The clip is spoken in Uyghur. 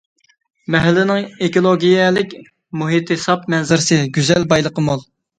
مەھەللىنىڭ ئېكولوگىيەلىك مۇھىتى ساپ، مەنزىرىسى گۈزەل، بايلىقى مول.